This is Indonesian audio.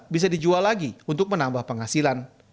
bisa dijual lagi untuk menambah penghasilan